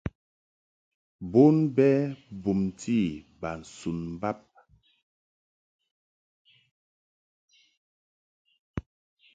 Bon bɛ bumti bas un bab.